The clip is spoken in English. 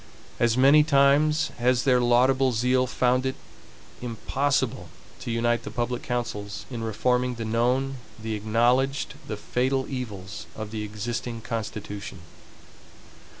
As many times has their laudable zeal found it impossible to UNITE THE PUBLIC COUNCILS in reforming the known, the acknowledged, the fatal evils of the existing constitution.